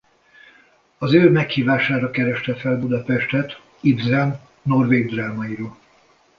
Az ő meghívására kereste fel Budapestet Ibsen norvég drámaíró.